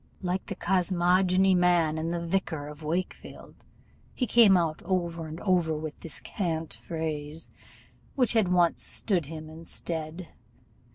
Like the cosmogony man in the Vicar of Wakefield, he came out over and over with this cant phrase, which had once stood him in stead.